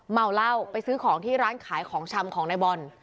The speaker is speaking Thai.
เมาเหล้าไปซื้อของที่ร้านขายของชำของนายบอล